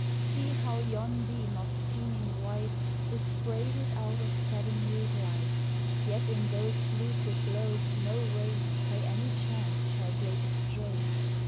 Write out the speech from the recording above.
See how yon beam of seeming white Is braided out of seven hued light, Yet in those lucid globes no ray By any chance shall break astray.